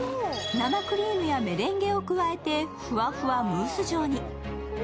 生クリームやメレンゲを加えて、ふわふわムース状に。